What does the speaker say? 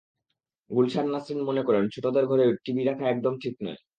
গুলসান নাসরীন মনে করেন, ছোটদের ঘরে টিভি রাখাটা একদম ঠিক নয়।